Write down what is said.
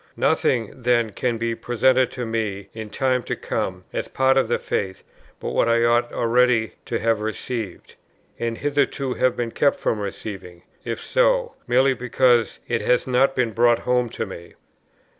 Nothing, then, can be presented to me, in time to come, as part of the faith, but what I ought already to have received, and hitherto have been kept from receiving, (if so,) merely because it has not been brought home to me.